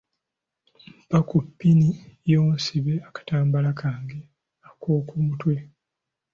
Mpa ku ppini yo nsibe akatambaala kange ak'oku mutwe